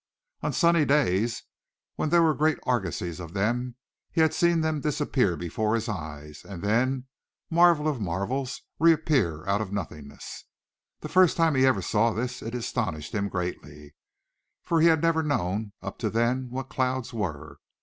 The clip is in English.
On sunny days when there were great argosies of them he had seen them disappear before his eyes, and then, marvel of marvels, reappear out of nothingness. The first time he ever saw this it astonished him greatly, for he had never known up to then what clouds were.